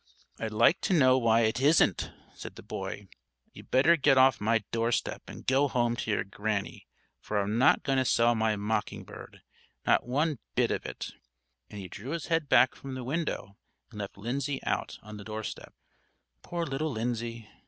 "I'd like to know why it isn't," said the boy. "You'd better get off my doorstep and go home to your Granny, for I'm not going to sell my mocking bird, not one bit of it;" and he drew his head back from the window and left Lindsay out on the doorstep. Poor little Lindsay!